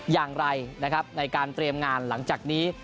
อย่างไรนะครับในการเตรียมงานหลังจากนี้